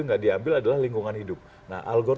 tidak diambil adalah lingkungan hidup nah al gore